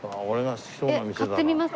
買ってみます？